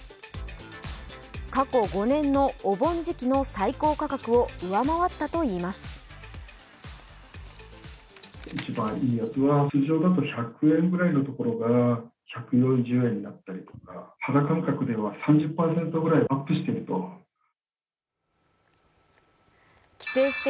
過去５年のお盆時期の最高価格を上回ったということです。